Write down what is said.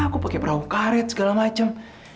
aku pakai perahu karet segala macam